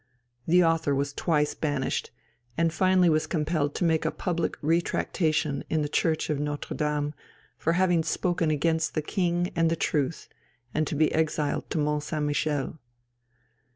The author was twice banished, and finally was compelled to make a public retractation in the Church of Notre Dame, for having spoken against the king and the truth, and to be exiled to Mont Saint Michel.